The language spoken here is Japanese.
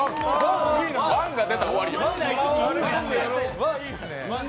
ワンが出たら終わりよ。